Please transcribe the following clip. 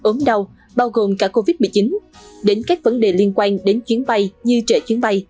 ốm đau bao gồm cả covid một mươi chín đến các vấn đề liên quan đến chuyến bay như trẻ chuyến bay